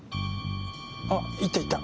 あっ行った行った。